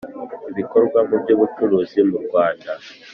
ibikorwa mu by ubucuruzi mu Rwanda